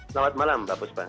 selamat malam mbak puspa